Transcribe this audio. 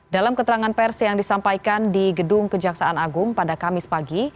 dalam keterangan pers yang disampaikan di gedung kejaksaan agung pada kamis pagi